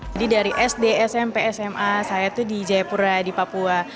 jadi dari sd smp sma saya itu di jayapura di papua